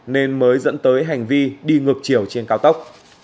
nên mới dẫn tới hành vi đi ngược chiều trên cao tốc